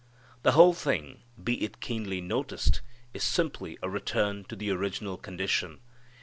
The whole thing, be it keenly noticed, is simply a return to the original condition.